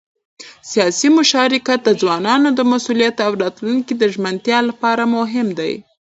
سیاسي مشارکت د ځوانانو د مسؤلیت او راتلونکي د ژمنتیا لپاره مهم دی